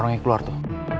orangnya keluar tuh